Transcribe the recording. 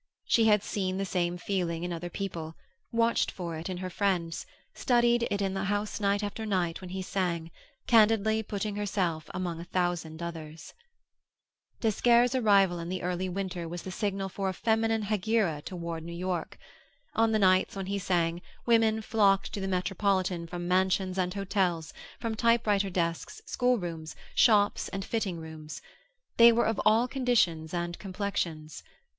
She had seen the same feeling in other people, watched for it in her friends, studied it in the house night after night when he sang, candidly putting herself among a thousand others. D'Esquerre's arrival in the early winter was the signal for a feminine hegira toward New York. On the nights when he sang women flocked to the Metropolitan from mansions and hotels, from typewriter desks, schoolrooms, shops, and fitting rooms. They were of all conditions and complexions.